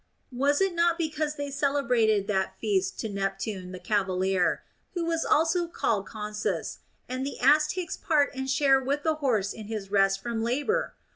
Was it not because they celebrated that feast to Neptune the cavalier, who was called Consus, and the ass takes part and share with the horse in his rest from labor